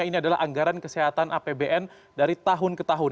ini adalah anggaran kesehatan apbn dari tahun ke tahun